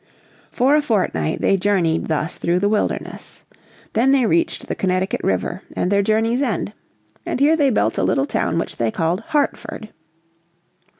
For a fortnight they journeyed thus through the wilderness. Then they reached the Connecticut River and their journey's end. And here they built a little town which they called Hartford.